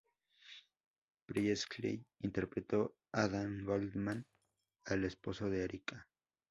Priestley interpretó a Dan Goldman, el esposo de Erica.